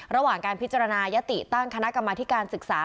ระหว่างการพิจารณายติตั้งคณะกรรมธิการศึกษา